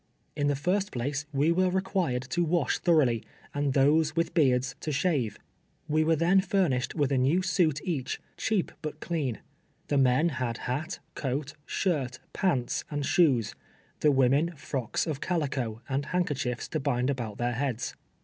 In the first place we were recpiired to wash thorough ly, and those with beards, to shave. "We were then furnished M'ith a new suit each, cheap, but clean. Tlie men had hat, C(^at, shirt, pants and shoes ; the women frocks of calico, and handkerchiefs to bind about their heads.